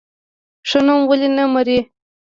ښه نوم ولې نه مري؟